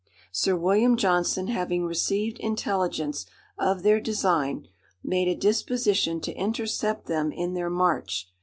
Sir William Johnson having received intelligence of their design, made a disposition to intercept them in their march.